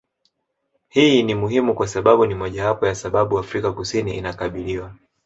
Hii ni muhimu kwa sababu ni mojawapo ya sababu Afrika kusini inakabiliwa